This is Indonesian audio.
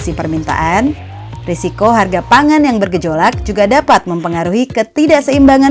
kondisi permintaan risiko harga pangan yang bergejolak juga dapat mempengaruhi ketidakseimbangan